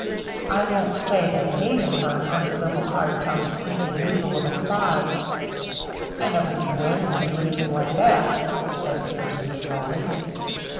I won't say they hate him for an uncivil, hard tongued, sneaking weasel of a spy " "I never knew Bannon to do anything like that," said Peterson, slowly.